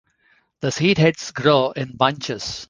The seedheads grow in bunches.